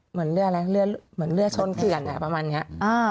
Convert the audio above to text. เหมือนเรือชนเขื่อนประมาณเนี้ย